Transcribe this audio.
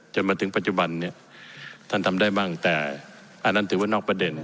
จนถึงปัจจุบันเนี่ยท่านทำได้บ้างแต่อันนั้นถือว่านอกประเด็น